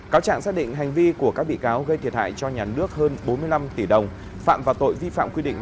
cáo trạng xác định hành vi của các bị cáo gây thiệt hại cho nhà nước hơn bốn mươi năm tỷ đồng phạm vào tội vi phạm quy định